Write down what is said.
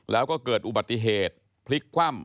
แล้วก็เกิดอุบัติเหตุพลิกคว่ำ